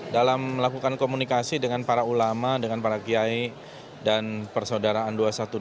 dalam melakukan komunikasi dengan para ulama dengan para kiai dan persaudaraan dua ratus dua belas